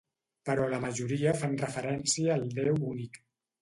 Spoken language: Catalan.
Però la majoria fan referència al Déu únic.